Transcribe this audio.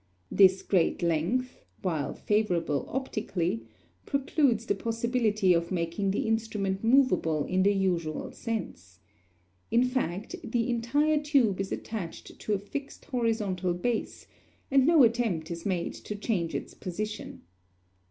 This great length, while favorable optically, precludes the possibility of making the instrument movable in the usual sense. In fact, the entire tube is attached to a fixed horizontal base, and no attempt is made to change its position.